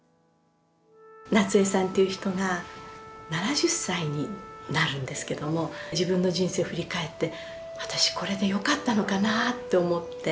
夏江さんという人が７０歳になるんですけども自分の人生を振り返って私これでよかったのかなと思って。